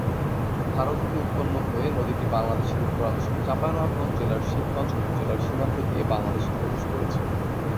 ভারত হতে উৎপন্ন হয়ে নদীটি বাংলাদেশের উত্তরাংশের চাঁপাইনবাবগঞ্জ জেলার শিবগঞ্জ উপজেলার সীমান্ত দিয়ে বাংলাদেশে প্রবেশ করেছে।